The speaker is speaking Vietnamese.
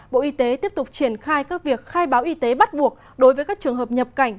bộ y tế tiếp tục triển khai các việc khai báo y tế bắt buộc đối với các trường hợp nhập cảnh